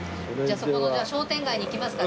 そこの商店街に行きますか？